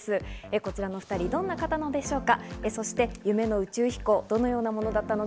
こちらのお２人、どんな方なのでしょうか？